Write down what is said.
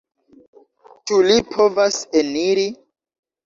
Ĉu li povas eniri?